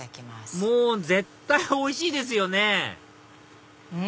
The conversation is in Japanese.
もう絶対おいしいですよねうん！